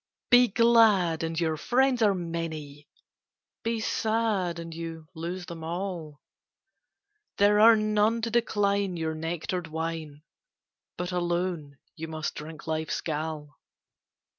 Be glad, and your friends are many; Be sad, and you lose them all; There are none to decline your nectar'd wine, But alone you must drink life's gall.